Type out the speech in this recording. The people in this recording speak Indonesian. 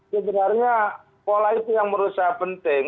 sebenarnya pola itu yang menurut saya penting